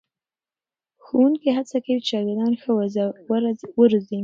ښوونکي هڅه کوي چې شاګردان ښه وروزي.